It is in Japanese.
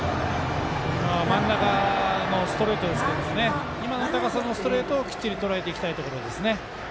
真ん中のストレートですけど今の高さのストレートをきっちりとらえていきたいところです。